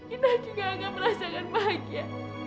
inah juga akan merasakan bahagia